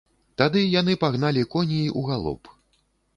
Тады яны пагналі коней у галоп.